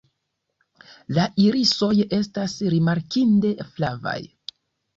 La irisoj estas rimarkinde flavaj.